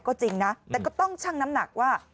ก็จริงนะแต่ก็ต้องชั่งน้ำหนักว่า